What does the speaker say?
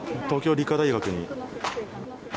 東京理科大学に。